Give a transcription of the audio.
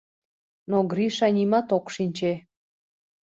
Но Гриша нимат ок шинче.